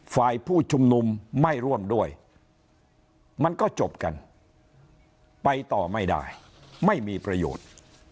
ฝ่ายผู้ชุมนุมไม่ร่วมด้วยมันก็จบกันไปต่อไม่ได้ไม่มีประโยชน์